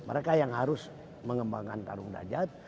mereka yang harus mengembangkan tarung derajat